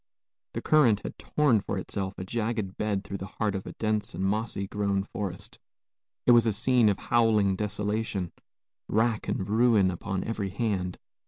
The current had torn for itself a jagged bed through the heart of a dense and moss grown forest. It was a scene of howling desolation, rack and ruin upon every hand.